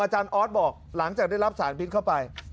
อาจารย์อ๊อซบอกหลังจากได้รับสารพิษเข้าไป